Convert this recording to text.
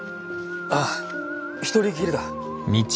ああ一人きりだ。